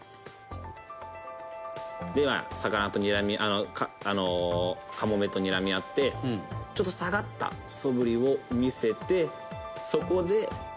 「でまあ魚とにらみカモメとにらみ合ってちょっと下がったそぶりを見せてそこで」